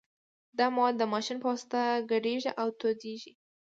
دا مواد د ماشین په واسطه ګډیږي او تودیږي